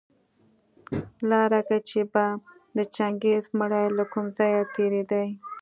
لاره کي چي به د چنګېز مړى له کوم ځايه تېرېدى